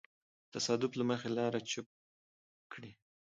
د تصادف له مخې لاره چپ کړي.